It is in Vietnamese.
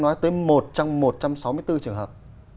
nói tới một trong một trăm sáu mươi bốn trường hợp